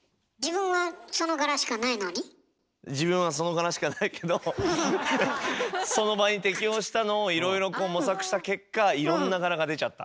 自分はその柄しかないけどその場に適応したのをいろいろこう模索した結果いろんな柄が出ちゃった。